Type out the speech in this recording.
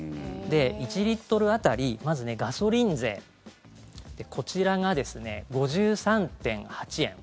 １リットル当たりガソリン税、こちらが５３．８円。